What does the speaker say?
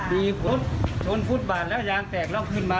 บี่รถจนกลัวฟุตบันแล้วยางแตกแล้วขึ้นมา